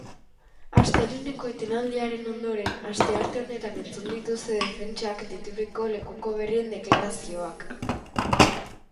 Asteleheneko etenaldiaren ondoren, astearte honetan entzun dituzte defentsak deituriko lekuko berrien deklarazioak.